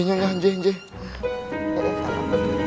iya enggak enggak enggak enggak